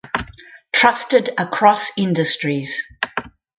Trusted Across Industries